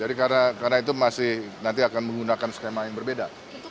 jadi karena itu masih nanti akan menggunakan skema yang berbeda